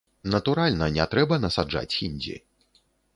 Натуральна, не трэба насаджаць хіндзі.